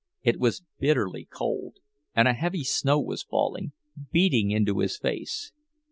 It was bitterly cold, and a heavy snow was falling, beating into his face.